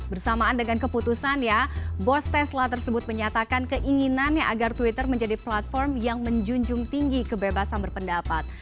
bersamaan dengan keputusan ya bos tesla tersebut menyatakan keinginannya agar twitter menjadi platform yang menjunjung tinggi kebebasan berpendapat